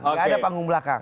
tidak ada panggung belakang